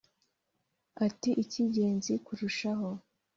Ati “Icy’ingenzi kurushaho